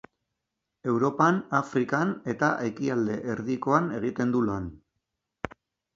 Europan, Afrikan eta Ekialde Erdikoan egiten du lan.